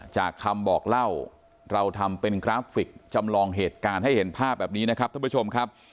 จากคำบอกเล่าเราทำเป็นกราฟิกจำลองเหตุการณ์ให้เห็นภาพแบบนี้นะครับท่านผู้ชมครับ